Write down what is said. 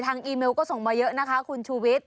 อีเมลก็ส่งมาเยอะนะคะคุณชูวิทย